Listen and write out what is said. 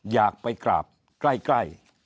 อยากไปกราบใกล้